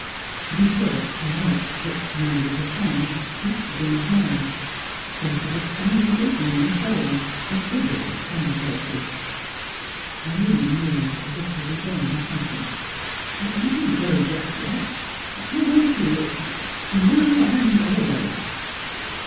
He talked, without strict command of his tongue, just to gain time; spoke of expanding Britain, and so on, a dribble of commonplaces. Irene moved as if to rejoin her company. "Don't go just yet I want you now and always."